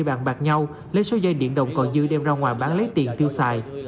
bàn bạc nhau lấy số dây điện đồng còn dư đem ra ngoài bán lấy tiền tiêu xài